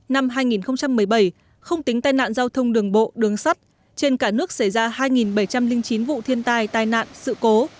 năm hai nghìn một mươi bảy không tính tai nạn giao thông đường bộ đường sắt trên cả nước xảy ra hai bảy trăm linh chín vụ thiên tai tai nạn sự cố